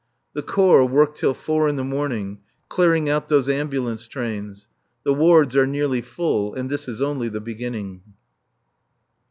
The Corps worked till four in the morning clearing out those ambulance trains. The wards are nearly full. And this is only the beginning.